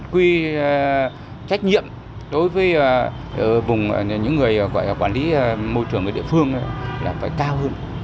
quy trách nhiệm đối với những người quản lý môi trường ở địa phương là phải cao hơn